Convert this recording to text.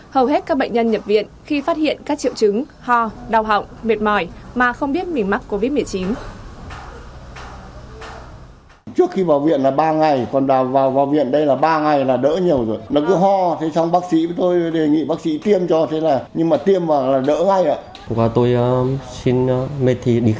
hầu hết các bệnh nhân nhập viện khi phát hiện các triệu chứng ho đau họng mệt mỏi mà không biết mình mắc covid một mươi chín